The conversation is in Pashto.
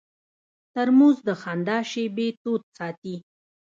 ترموز د خندا شېبې تود ساتي.